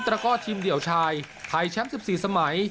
ตระกอดทีมเดี่ยวชายไทยแชมป์สิบสี่สมัย